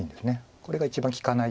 これが一番利かない。